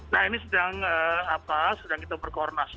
nah ini sedang kita berkoordinasi